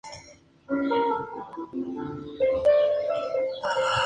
Está compuesta por piedras grandes e irregulares unidas con barro.